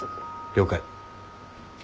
了解。